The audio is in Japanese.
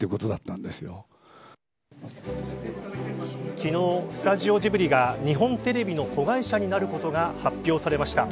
昨日、スタジオジブリが日本テレビの子会社になることが発表されました。